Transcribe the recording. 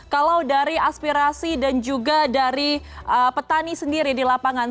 kalau dari aspirasi dan juga dari petani sendiri di lapangan